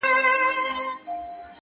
خریدار چي سوم د اوښکو دُر دانه سوم-